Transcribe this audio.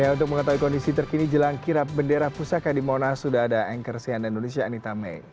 untuk mengetahui kondisi terkini jelang kirap bendera pusaka di monas sudah ada anchor si ananulisya anitame